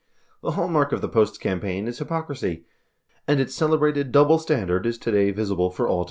The hallmark of the Post's campaign is hyprocrisy — and its celebrated "double standard" is today visible for all to see .